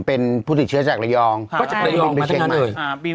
เป็นผู้ติดเชื้อจากระยองก็จะระยองบินไปเชียงใหม่